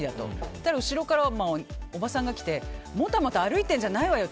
そしたら後ろからおばさんが来てもたもた歩いてるんじゃないわよ！